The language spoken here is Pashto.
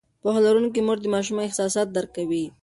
پوهه لرونکې مور د ماشوم احساسات درک کوي.